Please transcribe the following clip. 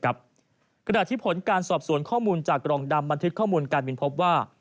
กระดาษที่ผลการสอบสวนข้อมูลจากกล่องดำบันทึกข้อมูลการบินพบว่า